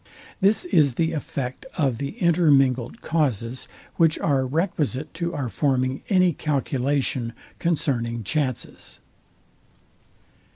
This is the effect of the intermingled causes, which are requisite to our forming any calculation concerning chances.